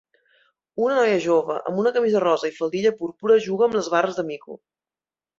Una noia jove amb una camisa rosa i faldilla púrpura juga amb les barres de mico.